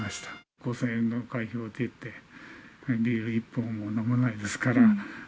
５０００円の会費を置いていって、ビール１本も飲まないですから。